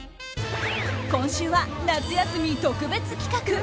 今週は夏休み特別企画。